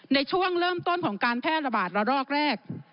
ในช่วงเริ่มต้นของการแพร่ระบาดระลอกแรก